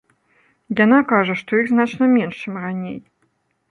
Яна кажа, што іх значна менш, чым раней.